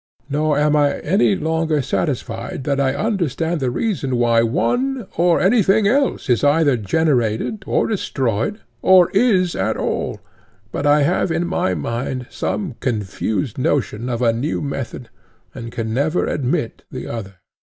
Nor am I any longer satisfied that I understand the reason why one or anything else is either generated or destroyed or is at all, but I have in my mind some confused notion of a new method, and can never admit the other.